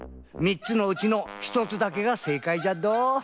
３つのうちの１つだけがせいかいじゃっど。